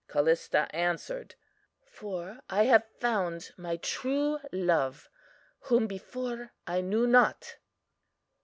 "CALLISTA answered: For I have found my true Love, whom before I knew not.